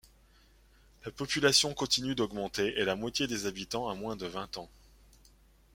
La population continue d'augmenter et la moitié des habitants a moins de vingt ans.